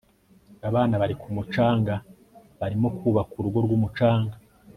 abana bari ku mucanga barimo kubaka urugo rwumucanga